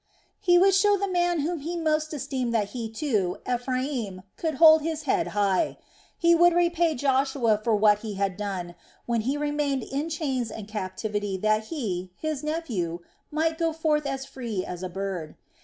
He would show the man whom he most esteemed that he, too, Ephraim, could hold his head high. He would repay Joshua for what he had done, when he remained in chains and captivity that he, his nephew, might go forth as free as a bird.